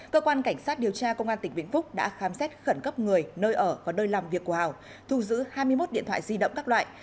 cơ quan cảnh sát điều tra công an tỉnh vĩnh phúc đã khám xét khẩn cấp người nơi ở và nơi làm việc của hào thu giữ hai mươi một điện thoại di động các loại